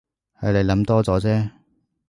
係你諗多咗啫